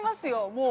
もう。